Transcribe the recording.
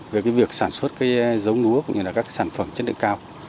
về cái việc sản xuất cái giống lúa cũng như là các sản phẩm chất lượng cao